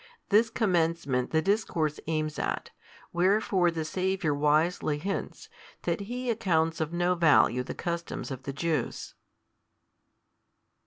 This commencement the discourse aims at: wherefore the Saviour wisely hints, that He accounts of no value the customs of the Jews.